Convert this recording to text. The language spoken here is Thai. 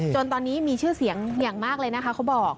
จนตอนนี้มีชื่อเสียงอย่างมากเลยนะคะเขาบอก